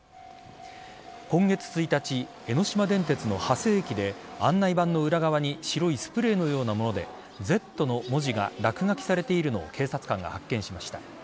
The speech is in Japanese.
今月１日、江ノ島電鉄の長谷駅で案内板の裏側に白いスプレーのようなものでＺの文字が落書きされているのを警察官が発見しました。